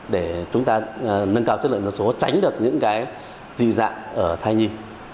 để chúng ta nâng cao chất lượng số tránh được những cái dị dạng ở thai nhi